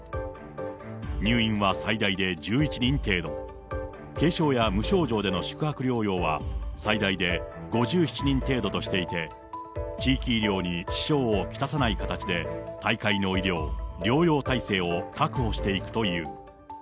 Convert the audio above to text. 入院は最大で１１人程度、軽症や無症状での宿泊療養は最大で５７人程度としていて、地域医療に支障を来さない形で大会の医療、療養体制を確保していくという。